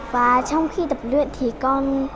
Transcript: và trong khi tập luyện thì con